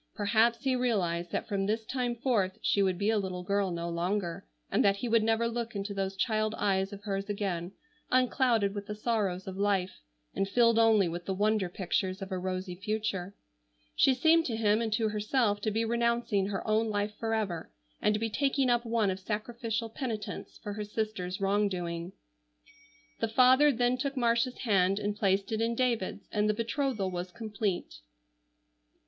Perhaps he realized that from this time forth she would be a little girl no longer, and that he would never look into those child eyes of hers again, unclouded with the sorrows of life, and filled only with the wonder pictures of a rosy future. She seemed to him and to herself to be renouncing her own life forever, and to be taking up one of sacrificial penitence for her sister's wrong doing. The father then took Marcia's hand and placed it in David's, and the betrothal was complete.